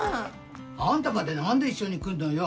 あんたまで何で一緒に来んのよ。